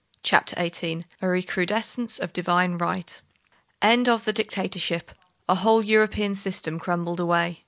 CHAPTER XVIII—A RECRUDESCENCE OF DIVINE RIGHT End of the dictatorship. A whole European system crumbled away.